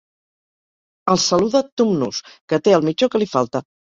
El saluda Tumnus, que té el mitjó que li falta.